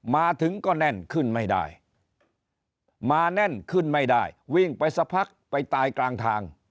มาถึงก็แน่นขึ้นไม่ได้มาแน่นขึ้นไม่ได้วิ่งไปสักพักไปตายกลางทาง